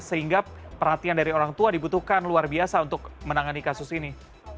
sehingga perhatian dari orang tua dibutuhkan luar biasa untuk menangani kasus ini